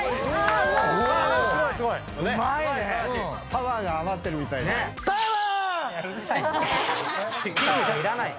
パワーが余ってるみたい。